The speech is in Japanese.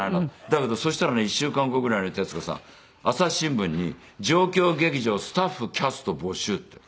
だけどそしたらね１週間後ぐらいに徹子さん『朝日新聞』に「状況劇場スタッフキャスト募集」って。